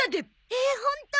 ええホント？